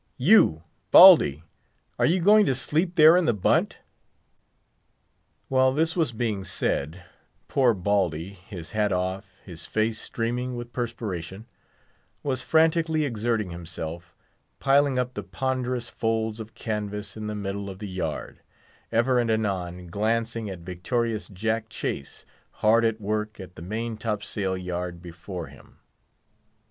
You, Baldy! are you going to sleep there in the bunt?" While this was being said, poor Baldy—his hat off, his face streaming with perspiration—was frantically exerting himself, piling up the ponderous folds of canvas in the middle of the yard; ever and anon glancing at victorious Jack Chase, hard at work at the main top sail yard before him.